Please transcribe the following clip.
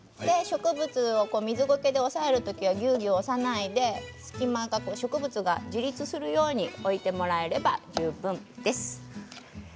植物を水ゴケで押さえる時はぎゅうぎゅう押さないで植物が自立するように置いてもらえれば大丈夫です。